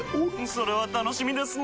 それは楽しみですなぁ。